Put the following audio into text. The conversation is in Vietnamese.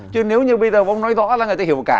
chứ nếu như bây giờ cũng nói rõ là người ta hiểu cả